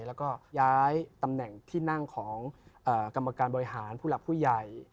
แล้วก็ย้ายตำแหน่งที่นั่งของกรรมการบริหารผู้หลักผู้ใหญ่